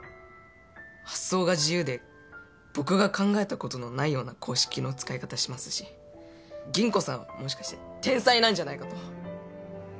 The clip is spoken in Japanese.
発想が自由で僕が考えたことのないような公式の使い方しますし吟子さんはもしかして天才なんじゃないかと！